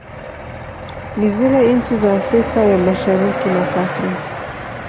Ni zile nchi za Afrika ya mashariki na kati